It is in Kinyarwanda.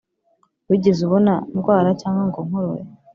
wigeze ubona ndwara cyangwa ngo nkorore!